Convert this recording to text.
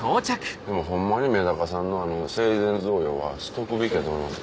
ホンマにめだかさんの生前贈与はしとくべきやと思います。